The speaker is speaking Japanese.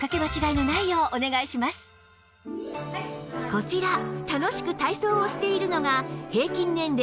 こちら楽しく体操をしているのが平均年齢